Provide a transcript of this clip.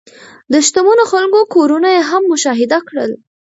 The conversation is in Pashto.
د شتمنو خلکو کورونه یې هم مشاهده کړل.